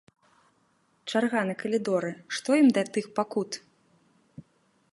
Чарга на калідоры, што ім да тых пакут!